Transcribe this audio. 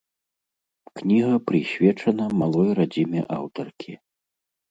Кніга прысвечана малой радзіме аўтаркі.